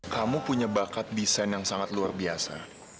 kamu punya bakat desain yang sangat luar biasa